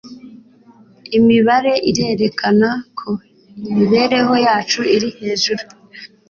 Imibare irerekana ko imibereho yacu iri hejuru